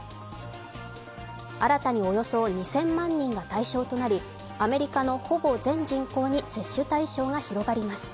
新たにおよそ２０００万人が対象となりアメリカのほぼ全人口に接種対象が広がります。